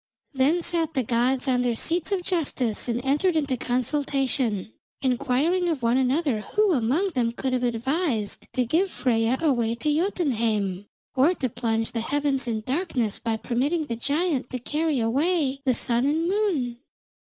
Then sat the gods on their seats of justice and entered into consultation, inquiring of one another who among them could have advised to give Freyja away to Jotunheim, or to plunge the heavens in darkness by permitting the giant to carry away the sun and moon.